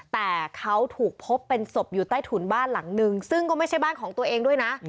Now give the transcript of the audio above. แต่เขาถูกพบเป็นศพอยู่ใต้ถุนบ้านหลังนึงซึ่งก็ไม่ใช่บ้านของตัวเองด้วยนะ